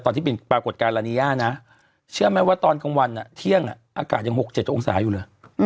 ตอนที่เป็นปรากฏการณ์ลานีย่านะเชื่อไหมว่าตอนกลางวันเที่ยงอากาศยัง๖๗องศาอยู่เลย